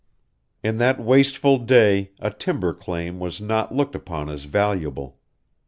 In that wasteful day a timber claim was not looked upon as valuable.